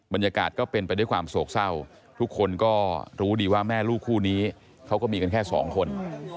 บรรยากาศก็เป็นไปด้วยความโศกเศร้าทุกคนก็รู้ดีว่าแม่ลูกคู่นี้เขาก็มีกันแค่สองคน